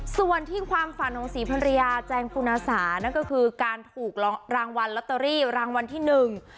ส่วนที่ความฝันของศรีภรรยาแจงปุณาสานั่นก็คือการถูกรางวัลลอตเตอรี่รางวัลที่หนึ่ง